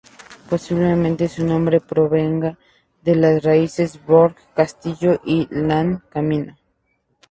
Posiblemente su nombre provenga de las raíces "borg": ""castillo"", y "lan": ""camino"".